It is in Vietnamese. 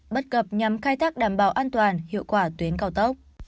bất cập nhằm khai thác đảm bảo an toàn hiệu quả tuyến cao tốc